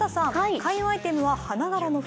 開運アイテムは花柄の服。